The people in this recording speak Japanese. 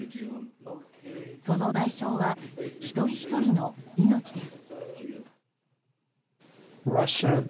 その代償は一人ひとりの命です。